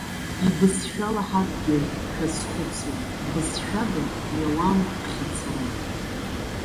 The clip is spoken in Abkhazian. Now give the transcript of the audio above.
Ибызшәала ҳадгьыл шәазхәыцла, ҳбызшәада иауам ԥхьацара.